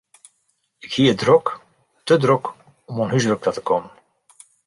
Ik hie it drok, te drok om oan húswurk ta te kommen.